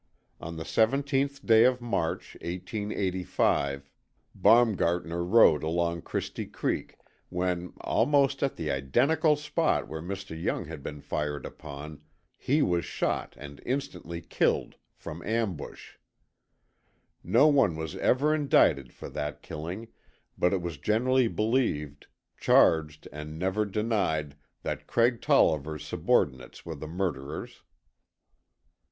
On the 17th day of March, 1885, Baumgartner rode along Christi Creek, when, almost at the identical spot where Mr. Young had been fired upon, he was shot and instantly killed from ambush. No one was ever indicted for that killing, but it was generally believed, charged and never denied that Craig Tolliver's subordinates were the murderers.